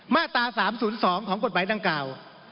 มาตรา๓๐๒ของกฎหมายดังกล่าว